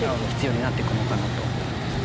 必要になってくのかなと。